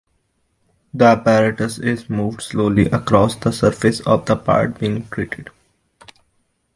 The apparatus is moved slowly across the surface of the part being treated.